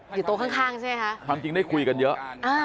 อยู่โต๊ะข้างใช่ไหมคะความจริงได้คุยกันเยอะ